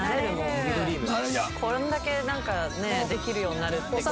こんだけできるようになるってことは。